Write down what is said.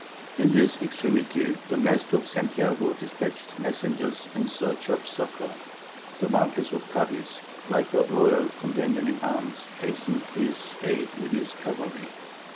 "In this extremity the Master of Santiago despatched messengers in search of succour. The Marquess of Cadiz, like a loyal companion in arms, hastened to his aid with his cavalry.